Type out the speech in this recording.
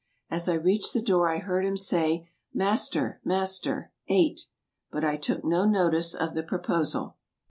As I reached the door I heard him say, '' Master, master ! Eight !'' But I took no notice of the proposal.